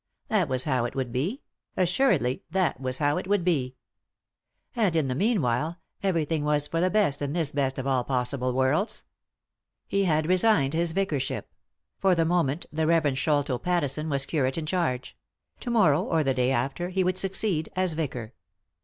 That was how it would be — assuredly that was how it would be. And, in the meanwhile, everything was for the best in this best of all possible worlds. He had resigned his vicarship; for the moment the Rev. Sholto Fattison was curate in charge ; to morrow, or the day after, he would succeed as vicar.